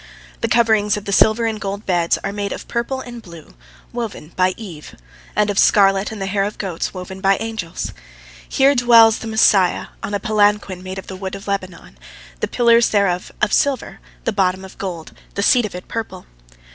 The coverings of the silver and gold beds are made of purple and blue, woven by Eve, and of scarlet and the hair of goats, woven by angels. Here dwells the Messiah on a palanquin made of the wood of Lebanon, "the pillars thereof of silver, the bottom of gold, the seat of it purple."